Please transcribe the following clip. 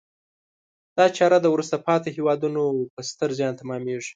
دا چاره د وروسته پاتې هېوادونو په ستر زیان تمامیږي.